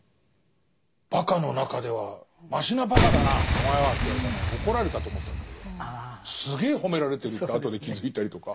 「ばかの中ではましなばかだなお前は」って言われたのを怒られたと思ってたんだけどすげえ褒められてるって後で気付いたりとか。